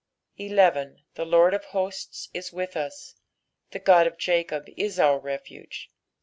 r I The Lord of hosts is with us ; the God of Jacob is our refuge.